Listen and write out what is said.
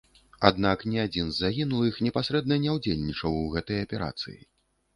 Аднак ні адзін з загінулых непасрэдна не ўдзельнічаў у гэтай аперацыі.